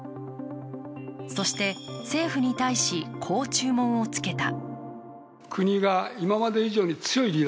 そして政府に対し、こう注文をつけた。